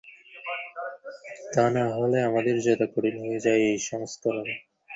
তা না হলে আমাদের জেতা কঠিন হয়ে যায় এই সংস্করণে।